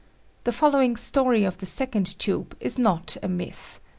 The following story of the second tube is not a myth.